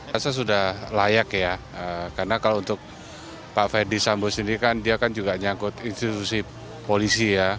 rasa sudah layak ya karena kalau untuk pak ferdi sambo sendiri kan dia kan juga nyangkut institusi polisi ya